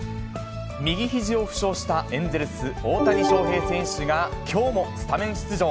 右ひじを負傷したエンゼルス、大谷翔平選手がきょうもスタメン出場。